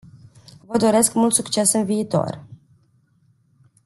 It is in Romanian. Vă doresc mult succes în viitor.